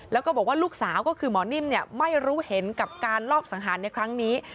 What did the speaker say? แล้วก็บอกว่าลูกสาวก็คือหมอนิ่มไม่รู้เห็นกับการลอบสังหารในครั้งนี้